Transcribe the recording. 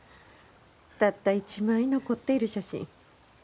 たった一枚残っている写真。